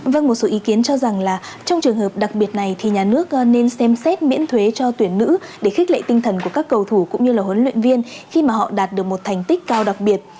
vâng một số ý kiến cho rằng là trong trường hợp đặc biệt này thì nhà nước nên xem xét miễn thuế cho tuyển nữ để khích lệ tinh thần của các cầu thủ cũng như là huấn luyện viên khi mà họ đạt được một thành tích cao đặc biệt